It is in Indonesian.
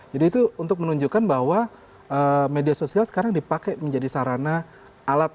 jadi itu untuk menunjukkan bahwa media sosial sekarang dipakai menjadi sarana alat